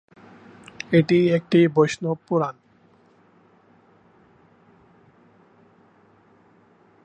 এটি একটি বৈষ্ণব পুরাণ।